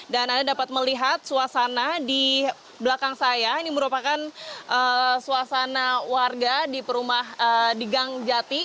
dan anda dapat melihat suasana di belakang saya ini merupakan suasana warga di gangjati